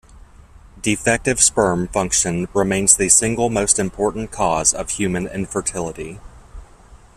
Defective sperm function remains the single most important cause of human infertility.